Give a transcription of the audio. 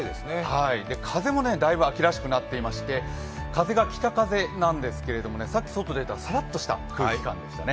風もだいぶ秋らしくなっていまして、風が北風なんですけどね、さっき外に出たら、さらっとした空気感でしたね。